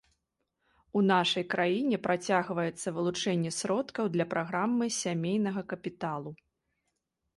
У нашай краіне працягваецца вылучэнне сродкаў для праграмы сямейнага капіталу.